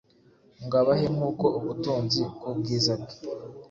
ngo abahe nk’uko ubutunzi bw’ubwiza bwe